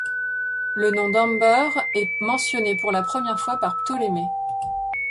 Le nom d'Amber est mentionné pour la première fois par Ptolémée.